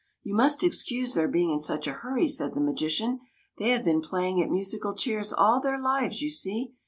'' You must excuse their being in such a hurry," said the magician ;'' they have been playing at musical chairs all their lives, you see.